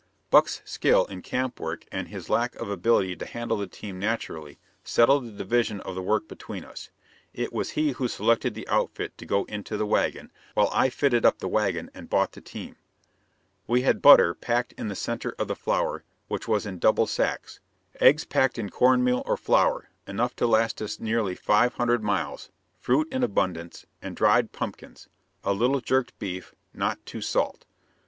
Buck's skill in camp work and his lack of ability to handle the team naturally settled the division of the work between us. It was he who selected the outfit to go into the wagon, while I fitted up the wagon and bought the team. We had butter packed in the center of the flour, which was in double sacks; eggs packed in corn meal or flour, enough to last us nearly five hundred miles; fruit in abundance, and dried pumpkins; a little jerked beef, not too salt.